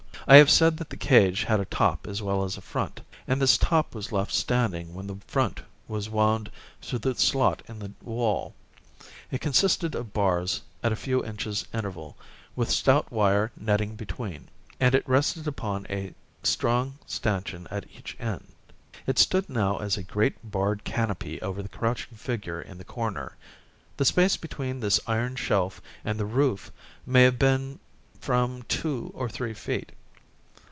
I have said that the cage had a top as well as a front, and this top was left standing when the front was wound through the slot in the wall. It consisted of bars at a few inches' interval, with stout wire netting between, and it rested upon a strong stanchion at each end. It stood now as a great barred canopy over the crouching figure in the corner. The space between this iron shelf and the roof may have been from two or three feet.